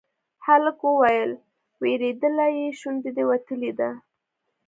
هلک وويل: وېرېدلی يې، شونډه دې وتلې ده.